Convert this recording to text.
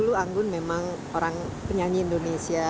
karena dulu anggun memang orang penyanyi indonesia